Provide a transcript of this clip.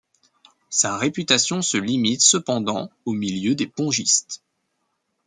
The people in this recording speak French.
Sa réputation se limite cependant au milieu des pongistes.